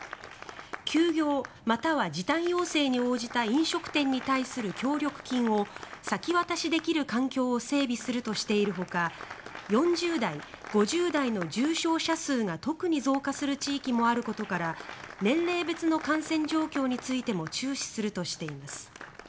休業または時短要請に応じた飲食店に対する協力金を先渡しできる環境を整備するとしているほか４０代、５０代の重症者数が特に増加する地域もあることから年齢別の感染状況についても注視するとしています。